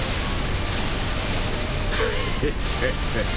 ヘヘヘヘッ。